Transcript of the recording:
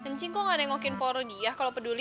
ncing kok gak nengokin rodia kalo peduli